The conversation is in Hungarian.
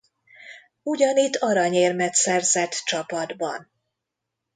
Ugyanitt aranyérmet szerzett csapatban.